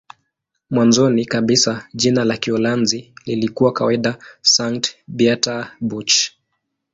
Mwanzoni kabisa jina la Kiholanzi lilikuwa kawaida "Sankt-Pieterburch".